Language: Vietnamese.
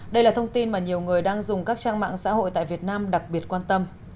đây là thông tin mà nhiều người đang dùng các trang mạng xã hội tại việt nam đặc biệt quan tâm